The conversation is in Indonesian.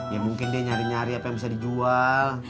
ya mungkin dia nyari nyari apa yang bisa dijual